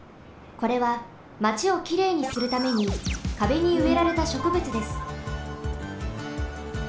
これはマチをきれいにするためにかべにうえられたしょくぶつです。